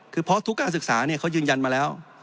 คือเพราะทุกการศึกษาเขายืนยันมาแล้ว